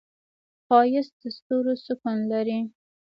ښایست د ستورو سکون لري